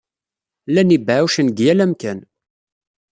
Llan yibeɛɛucen deg yal amkan.